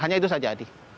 hanya itu saja adi